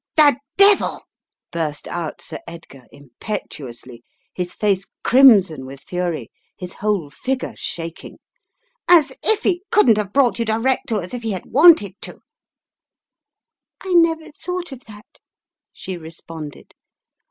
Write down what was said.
"The devil!" burst out Sir Edgar, impetuously, his face crimson with fury, his whole figure shaking, "as if he couldn't have brought you direct to us if he had wanted to " "I never thought of that," she responded.